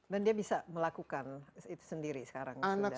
dan dia bisa melakukan itu sendiri sekarang